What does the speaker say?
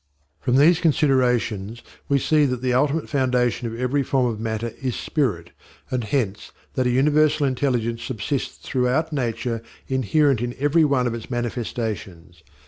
From these considerations we see that the ultimate foundation of every form of matter is spirit, and hence that a universal intelligence subsists throughout Nature inherent in every one of its manifestations.